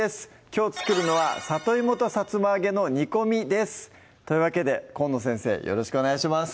きょう作るのは「里芋とさつま揚げの煮込み」ですというわけで河野先生よろしくお願いします